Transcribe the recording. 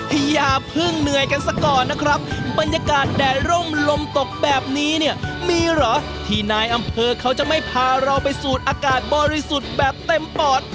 อย่าเพิ่งเหนื่อยกันสักก่อนนะครับบรรยากาศแดดร่มลมตกแบบนี้เนี่ยมีเหรอที่นายอำเภอเขาจะไม่พาเราไปสูดอากาศบริสุทธิ์แบบเต็มปอด